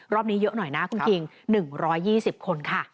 นี้เยอะหน่อยนะคุณคิง๑๒๐คนค่ะ